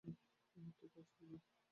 ঠিক আছে, ম্যাম।